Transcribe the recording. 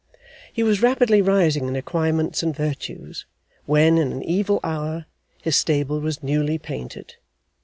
He was rapidly rising in acquirements and virtues, when, in an evil hour, his stable was newly painted.